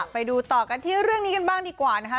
ไปดูต่อกันที่เรื่องนี้กันบ้างดีกว่านะคะ